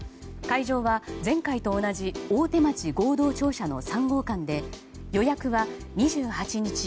会場は前回と同じ大手町合同庁舎の３号館で予約は２８日